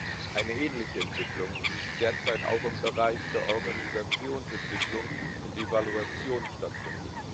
Eine ähnliche Entwicklung, wie sie derzeit auch im Bereich der Organisationsentwicklung und -evaluation stattfindet.